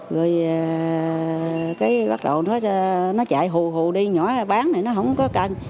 rồi bắt đầu nó chạy hù hù đi nhỏ bán thì nó không có cần